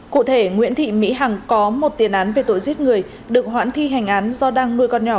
cụ thể nguyễn thị mỹ hằng có một tiền án về tội giết người được hoãn thi hành án do đang nuôi con nhỏ